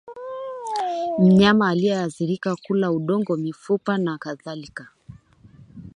Mnyama aliyeathirika kula udongo mifupa na kadhalika